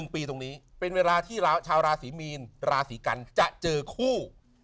๑ปีตรงนี้เป็นเวลาที่ชาวราศีมีนราศีกันจะเจอคู่